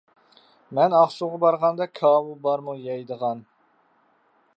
مەن ئاقسۇغا بارغاندا، كاۋا بارمۇ يەيدىغان.